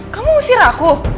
kamu ngusir aku